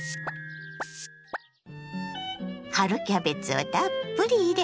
春キャベツをたっぷり入れ